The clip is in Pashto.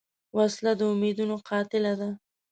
وسله د امیدونو قاتله ده